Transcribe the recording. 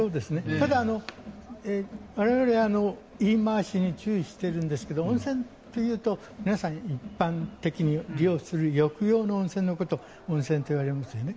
ただ、我々は言い回しに注意しているんですが温泉というと皆さん、一般的に利用する浴用の温泉のことを温泉といわれますよね。